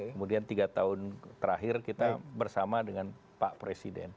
kemudian tiga tahun terakhir kita bersama dengan pak presiden